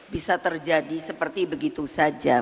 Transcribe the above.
bisa terjadi seperti begitu saja